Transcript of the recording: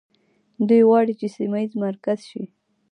دوی غواړي چې سیمه ییز مرکز شي.